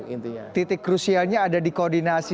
intinya titik krusialnya ada di koordinasi